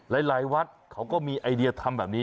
หลายวัดเขาก็มีไอเดียทำแบบนี้